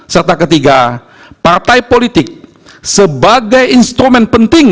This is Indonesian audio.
serta ketiga partai politik sebagai instrumen penting